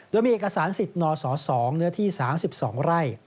โดยมีเอกสารสิทธิ์นส๒เนื้อที่๓๒ไร่